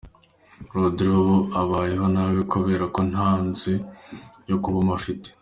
Rhodri ubu abayeho nabi kubera ko nta nzu yo kubamo afite.